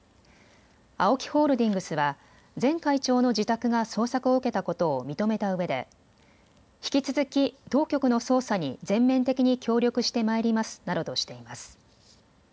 ＡＯＫＩホールディングスは前会長の自宅が捜索を受けたことを認めたうえで引き続き当局の捜査に全面的に協力してまいりますなどとしています。